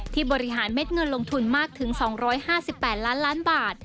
บริหารเม็ดเงินลงทุนมากถึง๒๕๘ล้านล้านบาท